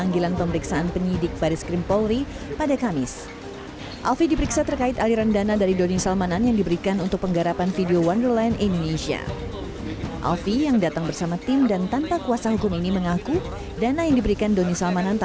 jika penyidik baris krim meminta hal tersebut